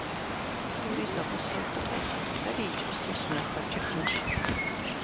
ТӀури зэгъусэу фыкӀуэ, сэри иджыпсту сыныхэкӀыжынщ.